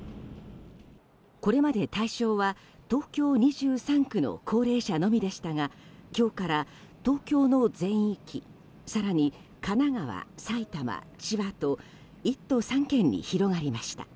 これまで対象は東京２３区の高齢者のみでしたが今日から東京の全域更に神奈川、千葉、埼玉と１都３県に広がりました。